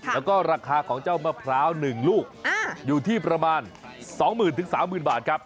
แล้วก็ราคาของเจ้ามะพร้าว๑ลูกอยู่ที่ประมาณ๒๐๐๐๓๐๐บาทครับ